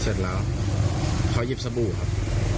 เสร็จแล้วเขาหยิบสบู่ครับ